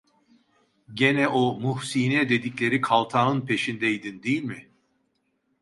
Gene o Muhsine dedikleri kaltağın peşindeydin değil mi?